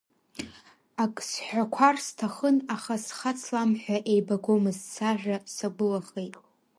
Ак сҳәақәар сҭахын, аха схацламҳәа еибагомызт, сажәа сагәылахеит.